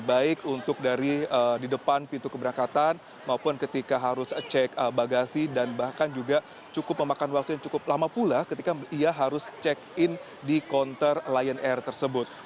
baik untuk dari di depan pintu keberangkatan maupun ketika harus cek bagasi dan bahkan juga cukup memakan waktu yang cukup lama pula ketika ia harus check in di konter lion air tersebut